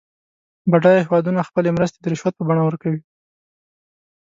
بډایه هېوادونه خپلې مرستې د رشوت په بڼه ورکوي.